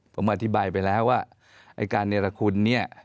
ผมอธิบายไปแล้วว่าไอ้การเนรคุณเนี่ย